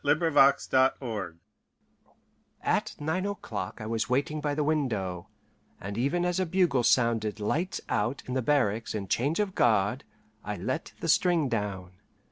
LA JONGLEUSE At nine o'clock I was waiting by the window, and even as a bugle sounded "lights out" in the barracks and change of guard, I let the string down.